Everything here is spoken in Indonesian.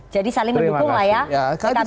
jadi saling mendukung lah ya